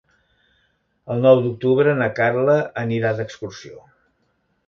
El nou d'octubre na Carla anirà d'excursió.